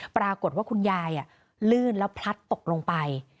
ปรากฏว่าคุณยายลื่นแล้วพลัดตกลงไป